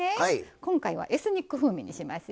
今回はエスニック風味にしますよ。